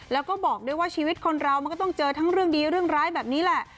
แล้วก็บอกด้วยว่าชีวิตคนเรามันก็ต้องเจอทั้งเรื่องดีเรื่องร้ายแบบนี้แหละ